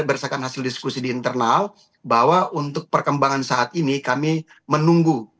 berdasarkan hasil diskusi di internal bahwa untuk perkembangan saat ini kami menunggu